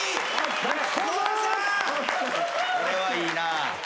これはいいな。